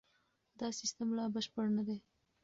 دا سیستم لا بشپړ نه دی.